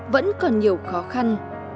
vẫn còn nhiều khó khăn